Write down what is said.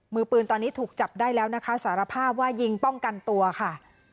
มือปืนตอนนี้ถูกจับได้แล้วนะคะสารภาพว่ายิงป้องกันตัวค่ะ